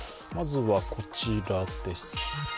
まずはこちらです。